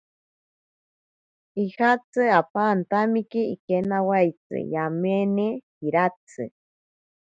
Ijatsi apa antamiki ikinawaitsi yamine piratsi.